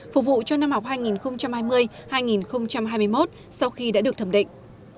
phục vụ cho năm học hai nghìn hai mươi hai nghìn hai mươi một sau khi đã được thẩm định